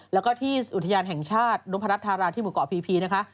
แล้วก็ที่อุทยานแห่งชาติโดมพระรัชธาราชินทร์ที่หมู่เกาะพีนะคะ